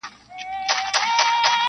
خپل جنون په کاڼو ولم-